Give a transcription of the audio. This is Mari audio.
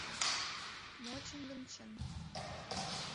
Мо чын гын, чын.